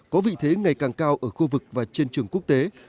có vị thế ngày càng cao ở khu vực và trên trường quốc tế